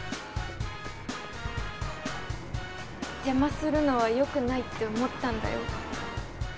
邪魔するのはよくないって思ったんだよ。